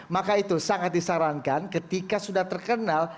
maka itu sangat disarankan ketika sudah terkenal